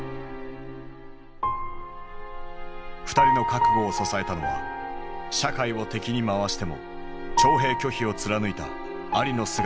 ２人の覚悟を支えたのは社会を敵に回しても徴兵拒否を貫いたアリの姿だった。